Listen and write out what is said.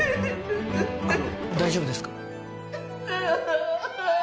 あの大丈夫ですか？